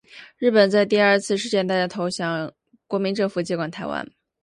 日本在第二次世界大战投降，国民政府接管台湾。